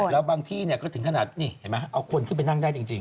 แล้วบางที่เขาถึงขนาดนี้เห็นไหมเอาคนขึ้นไปนั่งได้จริง